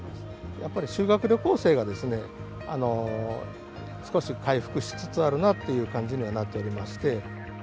やっぱり修学旅行生が、少し回復しつつあるなという感じにはなっておりまして。